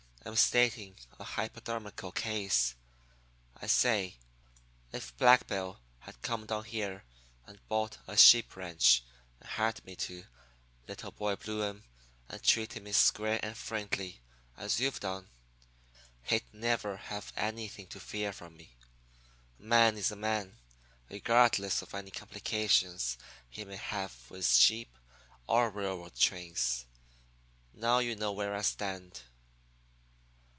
I'm stating a hypodermical case. I say, if Black Bill had come down here and bought a sheep ranch and hired me to Little Boy Blue 'em and treated me square and friendly, as you've done, he'd never have anything to fear from me. A man is a man, regardless of any complications he may have with sheep or railroad trains. Now you know where I stand.'